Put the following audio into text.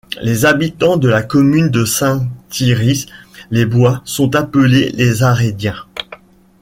Les habitants de la commune de Saint-Yrieix-les-Bois sont appelés les Arédiens.